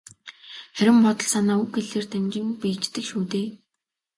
Харин бодол санаа үг хэлээр дамжин биеждэг шүү дээ.